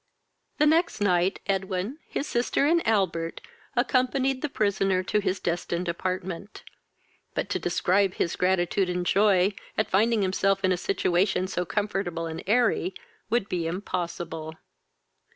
The next night Edwin, his sister, and Albert, accompanied the prisoner to his destined apartment; but to describe his gratitude and joy, at finding himself in a situation so comfortable and airy, would be impossible.